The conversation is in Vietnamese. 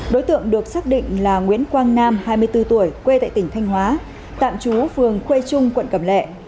đối tượng được xác định là nguyễn quang nam hai mươi bốn tuổi quê tại tỉnh thanh hóa tạm trú phường khuê trung quận cẩm lệ